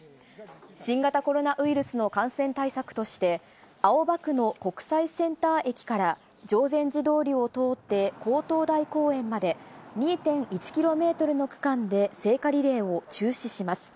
新型コロナウイルスの感染対策として、青葉区の国際センター駅から定禅寺通りを通って勾当台公園まで、２．１キロメートルの区間で聖火リレーを中止します。